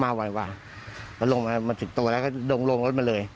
เมื่อกลับมาสิบตัวแล้วโดนกล้องรถมาเลย